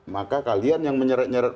maka kalian yang menyeret nyeret